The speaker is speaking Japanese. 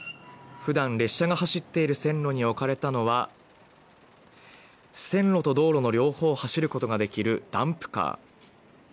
ふだん列車が走っている線路に置かれたのは線路と道路の両方を走ることができるダンプカー。